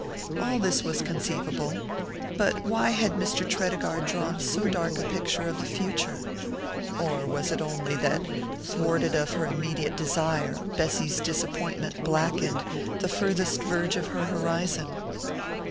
All this was conceivable. But why had Mr. Tredegar drawn so dark a picture of the future? Or was it only that, thwarted of her immediate desire, Bessy's disappointment blackened the farthest verge of her horizon?